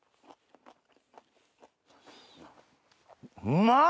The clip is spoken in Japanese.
うまっ！